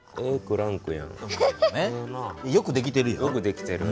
よくできてるよ。